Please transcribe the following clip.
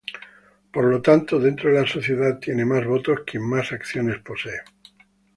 Por lo tanto, dentro de la sociedad tiene más votos quien más acciones posee.